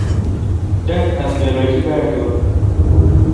دست از وراجی بردار!